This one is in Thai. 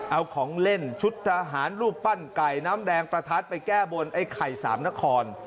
เอาของเล่นชุดทหารรูปปั้นไก่น้ำแดงประทัดไปแก้บนไอ้ไข่สามนคร